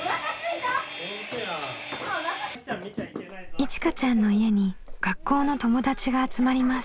いちかちゃんの家に学校の友達が集まります。